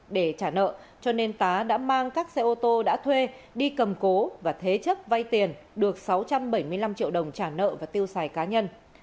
để trả nợ cho nên tá đã mang các xe ô tô đã thuê đi cầm cố và thế chấp vay tiền được sáu trăm bảy mươi năm triệu đồng trả nợ và tiêu xài cá nhân